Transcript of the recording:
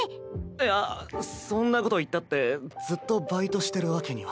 いやそんなこと言ったってずっとバイトしてるわけには。